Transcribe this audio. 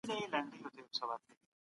خپلي غوښتنې د شریعت په رڼا کي پوره کړئ.